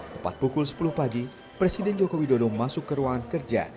tepat pukul sepuluh pagi presiden joko widodo masuk ke ruangan kerja